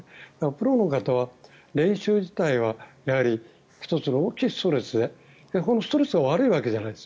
プロは練習自体は１つの大きいストレスでこのストレスが悪いわけじゃない。